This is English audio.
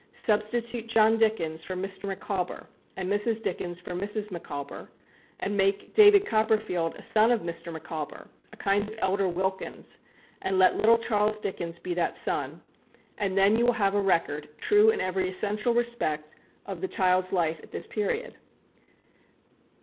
Substitute John Dickens for Mr. Micawber, and Mrs. Dickens for Mrs. Micawber, and make David Copperfield a son of Mr. Micawber, a kind of elder Wilkins, and let little Charles Dickens be that son and then you will have a record, true in every essential respect, of the child's life at this period.